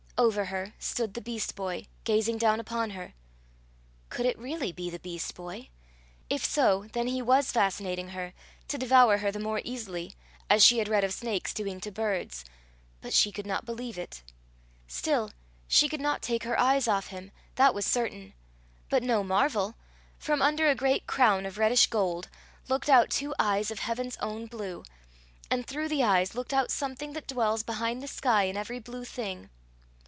Over her stood the beast boy, gazing down upon her! Could it really be the beast boy? If so, then he was fascinating her, to devour her the more easily, as she had read of snakes doing to birds; but she could not believe it. Still she could not take her eyes off him that was certain. But no marvel! From under a great crown of reddish gold, looked out two eyes of heaven's own blue, and through the eyes looked out something that dwells behind the sky and every blue thing.